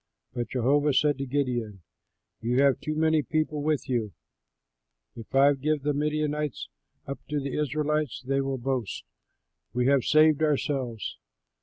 But Jehovah said to Gideon, "You have too many people with you; if I give the Midianites up to the Israelites they will boast, 'We have saved ourselves!'